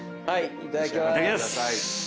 いただきます！